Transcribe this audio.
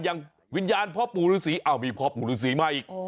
อย่างวิญญาณพ่อปู่ฤษีมีพ่อปู่ฤษีมาอีก